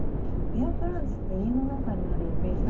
エアプランツって家の中にあるイメージ